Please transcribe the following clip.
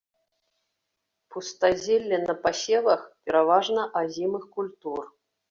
Пустазелле на пасевах пераважна азімых культур.